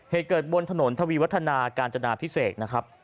เหตุเกิดบนถนนทวีวัฒนาการจนาพิเศษนะครับ